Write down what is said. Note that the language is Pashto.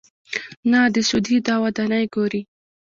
نه د سعودي دا ودانۍ ګوري.